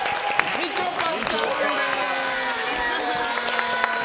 みちょぱだ！